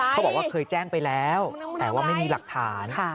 เขาบอกว่าเคยแจ้งไปแล้วแต่ว่าไม่มีหลักฐาน